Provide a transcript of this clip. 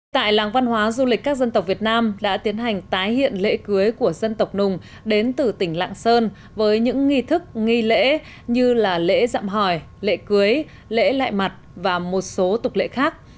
tại làng văn hóa du lịch các dân tộc việt nam đã tiến hành tái hiện lễ cưới của dân tộc nùng đến từ tỉnh lạng sơn với những nghi thức nghi lễ như là lễ dặm hỏi lễ cưới lễ lại mặt và một số tục lệ khác